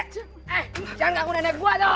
eh jangan ngaku nenek gue loh